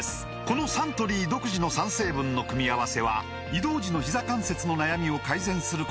このサントリー独自の３成分の組み合わせは移動時のひざ関節の悩みを改善することが報告されています